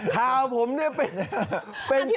ข้าวผมเป็นตัดแทรก